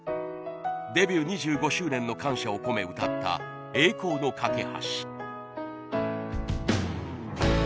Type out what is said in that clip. デビュー２５周年の感謝を込め歌った『栄光の架橋』。